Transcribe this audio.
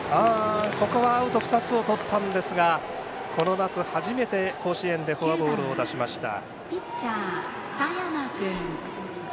ここはアウト２つをとったんですがこの夏、初めて甲子園でフォアボールを出しました。